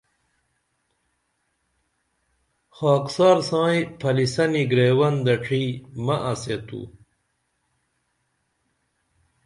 خاکسار ساں پھلیسنی گریون دڇھی مہ انسیہ تو